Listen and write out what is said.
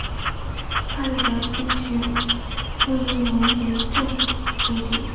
帕雷德地区穆伊隆为政府驻地。